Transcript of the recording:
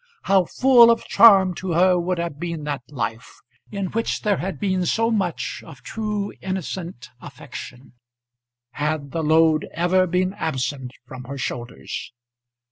How full of charm to her would have been that life, in which there had been so much of true, innocent affection; had the load ever been absent from her shoulders!